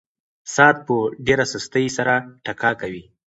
ساعت په ډېره سستۍ سره ټکا کوي.